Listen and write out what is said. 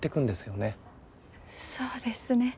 そうですね。